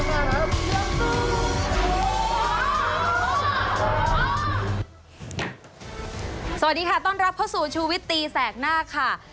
สวัสดีค่ะต้อนรับเข้าสู่ชูวิตตีแสกหน้าค่ะ